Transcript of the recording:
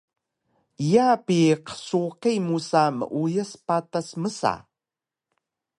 “Iya bi qsuqi ka musa meuyas patas” msa